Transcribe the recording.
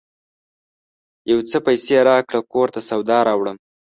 یو څه پیسې راکړه ! کور ته سودا راوړم